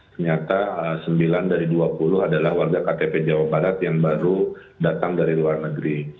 ternyata sembilan dari dua puluh adalah warga ktp jawa barat yang baru datang dari luar negeri